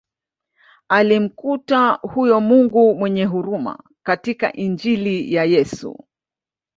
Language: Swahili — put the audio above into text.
Alimkuta huyo Mungu mwenye huruma katika Injili ya Yesu